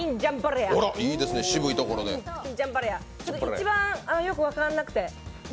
一番よく分からなくて。